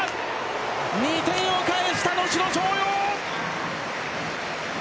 ２点を返した能代松陽！